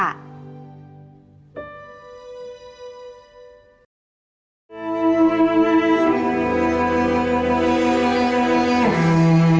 โปรดติดตามตอนต่อไป